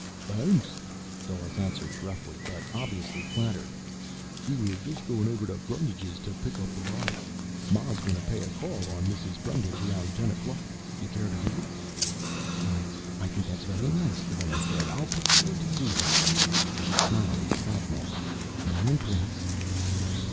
"Thanks," Dawes answered gruffly, but obviously flattered. "We were just goin' over to Brundage's to pick up the body. Ma's gonna pay a call on Mrs. Brundage around ten o'clock. You care to visit?" "Why, I think that's very nice," the woman said. "I'll be sure and do that." She smiled at the fat man. "Mornin', Prince."